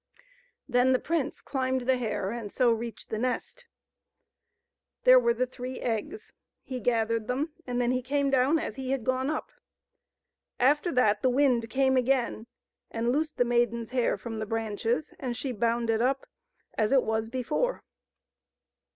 Then the prince climbed the hair and so reached the nest. There were the three eggs ; he gathered them, and then he came down as he had gone up. After that the wind came again and loosed the maiden's hair from the branches, and she bound it up as it was before.